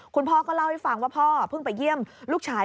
คุณพ่อก็เล่าให้ฟังว่าพ่อเพิ่งไปเยี่ยมลูกชาย